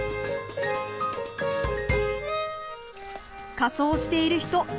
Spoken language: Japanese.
仮装している人。